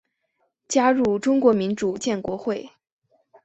加入中国民主建国会。